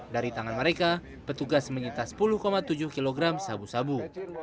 dari tangan mereka petugas menyita sepuluh tujuh kg sabu sabu